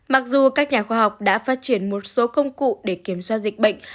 mặc dù các nhà khoa học đã phát triển một số công cụ để kiểm soát dịch bệnh